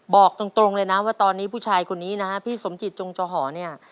บอกตรงเลยนะว่าตอนนี้ผู้ชายคนนี้นะฮะพี่สมจิตจงจอหอเนี่ย